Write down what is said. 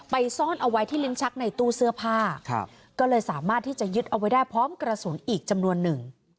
ซ่อนเอาไว้ที่ลิ้นชักในตู้เสื้อผ้าก็เลยสามารถที่จะยึดเอาไว้ได้พร้อมกระสุนอีกจำนวนหนึ่ง